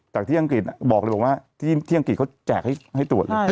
จากที่อังกฤษบอกเลยบอกว่าที่อังกฤษเขาแจกให้ตรวจเลย